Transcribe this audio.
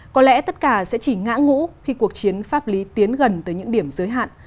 có lẽ tất cả sẽ chỉ ngã ngũ khi cuộc chiến pháp lý tiến gần tới những điểm giới hạn